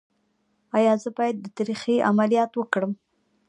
ایا زه باید د تریخي عملیات وکړم؟